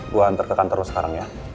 gua hantar ke kantor lu sekarang ya